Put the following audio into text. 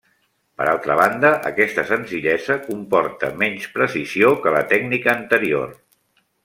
Per altra banda, aquesta senzillesa comporta menys precisió que la tècnica anterior.